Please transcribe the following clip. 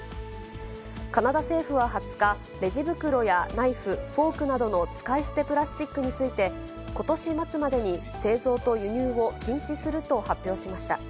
カナダ政府は２０日、レジ袋やナイフ、フォークなどの使い捨てプラスチックについて、ことし末までに製造と輸入を禁止すると発表しました。